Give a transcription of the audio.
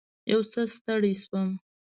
یو څه ستړې شوم.